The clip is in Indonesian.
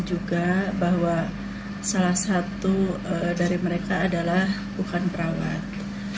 juga bahwa salah satu dari mereka adalah bukan perawat